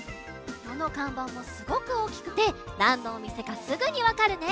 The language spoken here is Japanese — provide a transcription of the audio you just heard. どのかんばんもすごくおおきくてなんのおみせかすぐにわかるね！